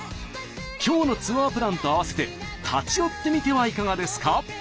今日のツアープランと併せて立ち寄ってみてはいかがですか？